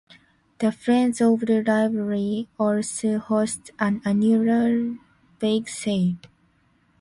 The Friends of the library also host an annual bake sale.